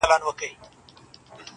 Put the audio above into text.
o لاس دي تور، مخ دي په تور٫